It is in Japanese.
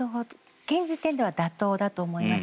現時点では妥当だと思います。